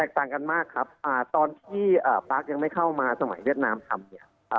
ต่างกันมากครับตอนที่ปาร์คยังไม่เข้ามาสมัยเวียดนามทำเนี่ย